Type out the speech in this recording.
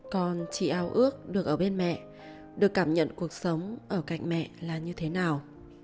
con chỉ ao ước được ở bên mẹ được cảm nhận cuộc sống ở cạnh mẹ là như thế nào